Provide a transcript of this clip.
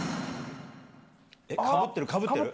かぶってる、かぶってる。